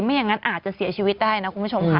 ไม่อย่างนั้นอาจจะเสียชีวิตได้นะคุณผู้ชมค่ะ